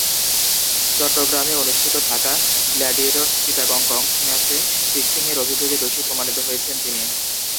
চট্টগ্রামে অনুষ্ঠিত Dhaka Gladiators Chittagong Kings ম্যাচে ফিক্সিংয়ের অভিযোগে দোষী প্রমাণিত হয়েছেন তিনি।